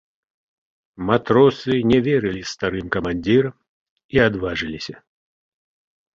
Матросы не верылі старым камандзірам і адважыліся.